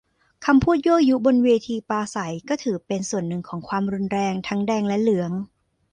คำพูดยั่วยุบนเวทีปราศรัย ก็ถือเป็นส่วนหนึ่งของความรุนแรง ทั้งแดงและเหลือง